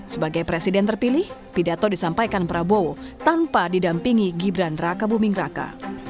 sebagai presiden terpilih pidato disampaikan prabowo tanpa didampingi jibran laka bumi laka